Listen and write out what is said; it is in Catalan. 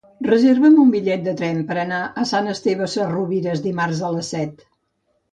Reserva'm un bitllet de tren per anar a Sant Esteve Sesrovires dimarts a les set.